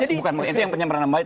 itu yang penyempranan baik